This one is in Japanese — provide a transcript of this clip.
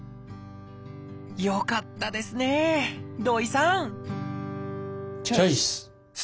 よかったですね土井さんチョイス！